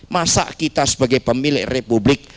masa kita sebagai pemilik republik